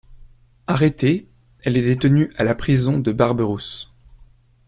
Arrêtée, elle est détenue à la prison de Barberousse.